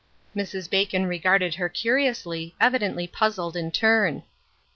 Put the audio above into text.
Mrs. Bacon regarded her curiously, evidently puzzled in turn.